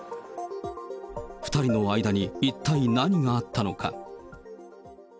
２人の間に一体何があったのか。